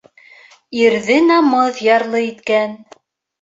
Ирҙе намыҫ ярлы иткән.